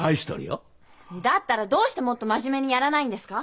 だったらどうしてもっとまじめにやらないんですか？